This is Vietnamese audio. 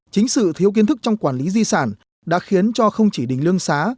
chính sự thiếu kiến thức trong quản lý di sản đã khiến cho không chỉ đình lương xá